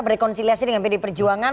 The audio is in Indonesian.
berkonsiliasi dengan pd perjuangan